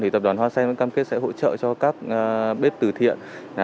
thì tập đoàn hoa sen vẫn cam kết sẽ hỗ trợ cho các bếp từ thiện